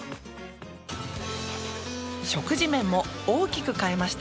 食事面も大きく変えました。